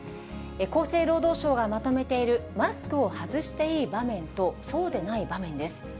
厚生労働省がまとめているマスクを外していい場面と、そうでない場面です。